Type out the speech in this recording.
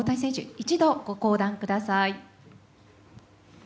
一度、ご降壇ください。